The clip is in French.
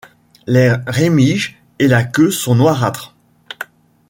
Les rémiges et la queue sont noirâtres.